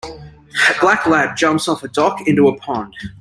A black lab jumps off a dock into a pond.